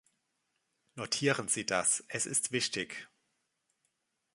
Notieren Sie das; es ist wichtig.